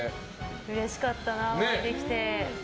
うれしかったな、お会いできて。